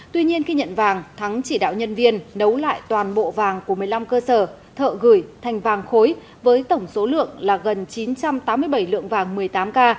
tuy nhiên khi nhận vàng thắng chỉ đạo nhân viên nấu lại toàn bộ vàng của một mươi năm cơ sở thợ gửi thành vàng khối với tổng số lượng là gần chín trăm tám mươi bảy lượng vàng một mươi tám k